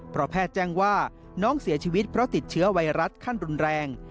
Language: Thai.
เพราะแพทย์แจ้งว่าน้องเสียชีวิตเพราะติดเชื้อไวรัสขั้นรุนแรง